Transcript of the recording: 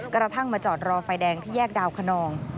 กระทั่งมาจอดรอไฟแดงที่แยกดาวคนนอง